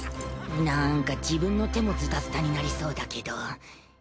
なんか自分の手もズタズタになりそうだけど。